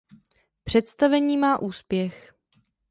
Představení má úspěch.